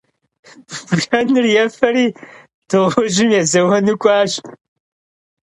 Bjjenır yêferi dığujım yêzeuenu k'uaş.